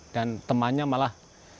dan temannya malah